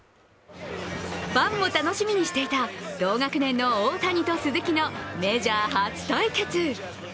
ファンも楽しみにしていた同学年の大谷と鈴木のメジャー初対決。